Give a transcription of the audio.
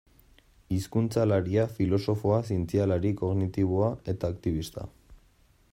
Hizkuntzalaria, filosofoa, zientzialari kognitiboa eta aktibista.